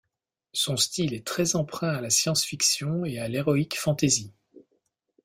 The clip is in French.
Son style est très emprunt à la science-fiction et à l'heroic fantasy.